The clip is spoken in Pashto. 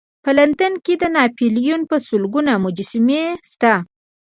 په لندن کې د ناپلیون په سلګونو مجسمې شته.